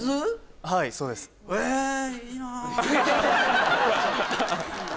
はいそうですえっ！？